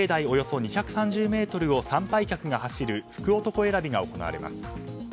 およそ２３０ｍを参拝客が走る福男選びが行われます。